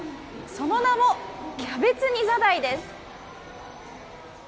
その名もキャベツニザダイです。